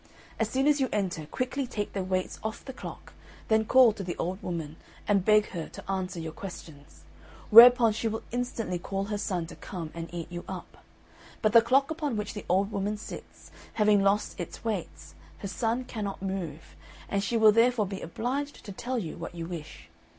As soon as you enter, quickly take the weights off the clock, then call to the old woman, and beg her to answer your questions; whereupon she will instantly call her son to come and eat you up. But the clock upon which the old woman sits having lost its weights, her son cannot move, and she will therefore be obliged to tell you what you wish.